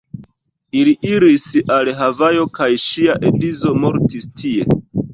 Ili iris al Havajo kaj ŝia edzo mortis tie.